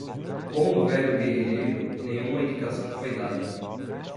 Com o velho guerrilheiro, nenhuma indicação foi dada.